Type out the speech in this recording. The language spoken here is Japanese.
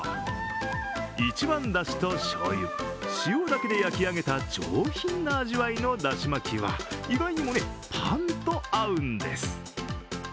一番だしとしょうゆ、塩だけで焼き上げた上品な味わいのだし巻きは意外にもね、パンと合うんです。